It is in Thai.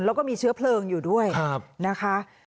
แล้วก็มีเชื้อเพลิงอยู่ด้วยนะคะ